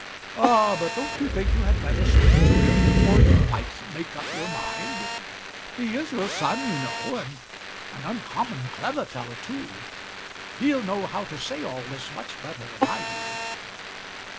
"Ah, but don't you think you had better speak to him before you quite make up your mind? He is your son, you know; and an uncommon clever fellow too. He'll know how to say all this much better than I do."